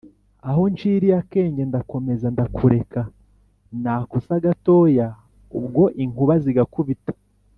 Aho nciriye akenge Ndakomeza ndakurekaNakosa gatoya Ubwo inkuba zigakubita